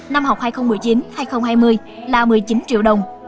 năm học hai nghìn một mươi chín hai nghìn hai mươi là một mươi chín triệu đồng